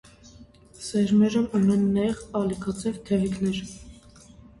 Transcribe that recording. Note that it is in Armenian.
Սերմերն ունեն նեղ, ալիքաձև թևիկներ։